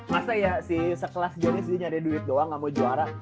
masa ya si sekelas giannis dia nyari duit doang ga mau juara